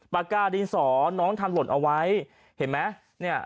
ปากกาดินสอนน้องทันหล่นเอาไว้เห็นไหม